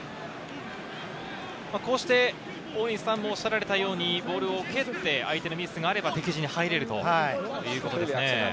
こうして大西さんも言ったようにボールを蹴って相手のミスがあれば敵陣に入れるということですね。